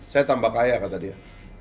saya tambah kaya kata dia